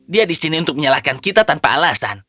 dia di sini untuk menyalahkan kita tanpa alasan